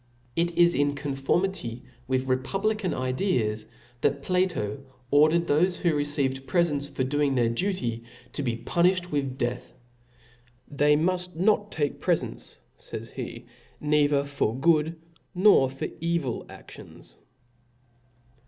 It is in conformity to republican ideas, that Platb (*) ordered thofe who received prefents for («) Book doing their duty, to be punifhcd with death. They ^{^^^^ muji not take frefentSy fays he, neither for good nor for evil aSHons.